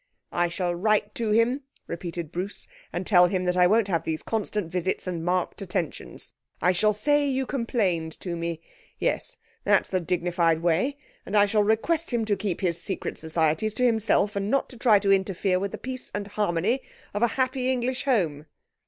'I shall write to him,' repeated Bruce, 'and tell him that I won't have these constant visits and marked attentions. I shall say you complained to me. Yes, that's the dignified way, and I shall request him to keep his secret societies to himself, and not to try to interfere with the peace and harmony of a happy English home.'